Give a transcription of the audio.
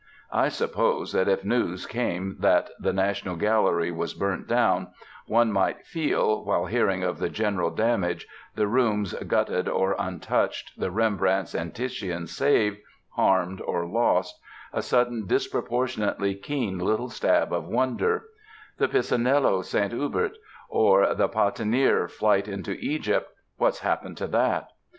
_ I suppose that if news came that the National Gallery was burnt down, one might feel, while hearing of the general damage, the rooms gutted or untouched, the Rembrandts and Titians saved, harmed, or lost, a sudden disproportionately keen little stab of wonder: "The Pisanello St Hubert," or "The Patinir Flight into Egypt What's happened to that?"